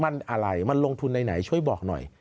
มันอะไรมันลงทุนไหนช่วยบอกหน่อย